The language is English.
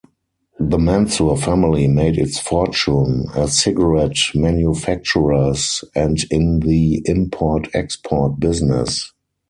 The Mansur family made its fortune as cigarette manufacturers and in the import-export business.